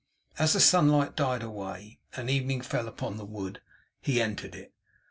As the sunlight died away, and evening fell upon the wood, he entered it.